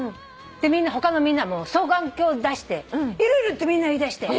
他のみんな双眼鏡出して「いるいる！」ってみんな言いだして。